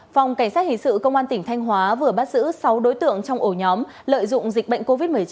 phòng cảnh sát hình sự công an tỉnh thanh hóa vừa bắt giữ sáu đối tượng trong ổ nhóm lợi dụng dịch bệnh covid một mươi chín